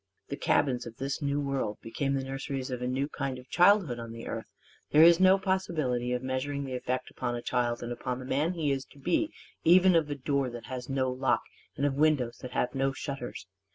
The cabins of this New World became the nurseries of a new kind of childhood on the earth. There is no possibility of measuring the effect upon a child and upon the man he is to be even of a door that has no lock and of windows that have no shutters.